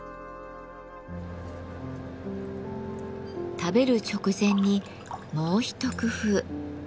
食べる直前にもう一工夫。